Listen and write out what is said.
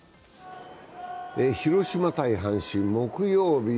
広島×阪神、木曜日。